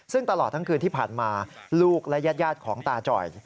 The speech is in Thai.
ซึ่งตลอดทั้งคืนที่ผ่านมาลูกและญาติของตาจ่อย